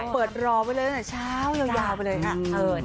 เปิดรอไว้เลยตั้งแต่เช้ายาวไปเลยค่ะ